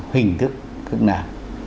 hình thức nào